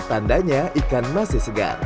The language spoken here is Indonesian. tandanya ikan masih segar